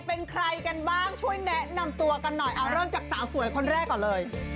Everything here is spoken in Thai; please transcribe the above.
เป็นใครกันบ้างช่วยแนะนำตัวกันหน่อยเอาเริ่มจากสาวสวยคนแรกก่อนเลย